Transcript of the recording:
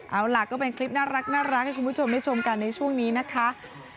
เอาล่ะก็เป็นคลิปน่ารักให้คุณผู้ชมได้ชมกันในช่วงนี้นะคะ